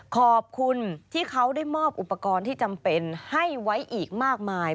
ขอบคุณที่เขาได้มอบอุปกรณ์ที่จำเป็นให้ไว้อีกมากมาย